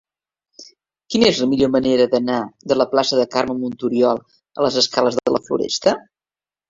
Quina és la millor manera d'anar de la plaça de Carme Montoriol a les escales de la Floresta?